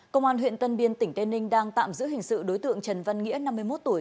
công an huyện tân biên tỉnh tên ninh đang tạm giữ hình sự đối tượng trần văn nghĩa năm mươi một tuổi